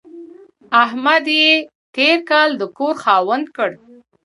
احمد يې تېر کال د کور خاوند کړ.